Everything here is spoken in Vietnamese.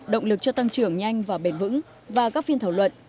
động lực cho tăng trưởng nhanh và bền vững và các phiên thảo luận